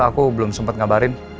aku belum sempet ngabarin